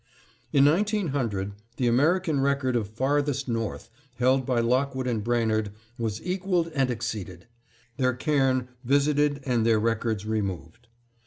In 1900, the American record of Farthest North, held by Lockwood and Brainard, was equaled and exceeded; their cairn visited and their records removed.